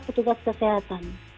di dalam kesehatan